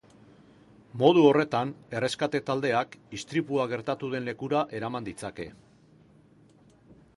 Modu horretan, erreskate-taldeak istripua gertatu den lekura eraman ditzake.